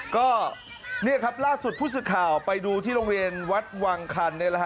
ก็นี่ครับล่าสุดผู้สื่อข่าวไปดูที่โรงเรียนวัดวังคัน